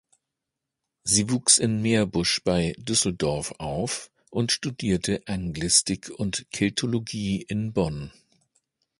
Sie wuchs in Meerbusch bei Düsseldorf auf und studierte Anglistik und Keltologie in Bonn.